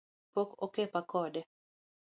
Pok okepo kode